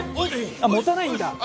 あっ持たないんだ